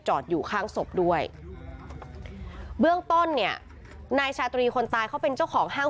อยู่ข้างศพด้วยเบื้องต้นเนี่ยนายชาตรีคนตายเขาเป็นเจ้าของห้าง